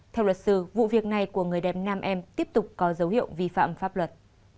theo luật sư vụ việc này của người đẹp nam em tiếp tục có dấu hiệu vi phạm pháp luật